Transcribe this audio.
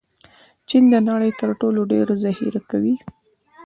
چین د نړۍ تر ټولو ډېر ذخیره کوي.